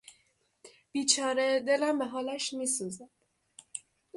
بیچاره ـ دلم به حالش میسوزد!